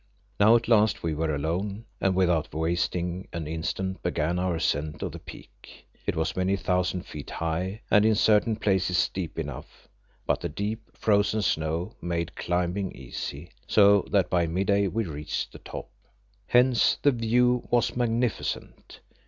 Now at last we were alone, and without wasting an instant began our ascent of the peak. It was many thousand feet high and in certain places steep enough, but the deep, frozen snow made climbing easy, so that by midday we reached the top. Hence the view was magnificent.